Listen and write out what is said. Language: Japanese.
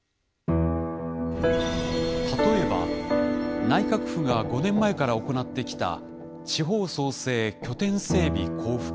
例えば内閣府が５年前から行ってきた地方創生拠点整備交付金。